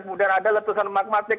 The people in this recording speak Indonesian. kemudian ada letusan magmatik